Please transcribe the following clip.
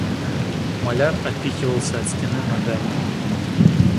Маляр отпихивался от стены ногами.